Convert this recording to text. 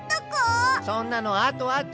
そんなのあとあと！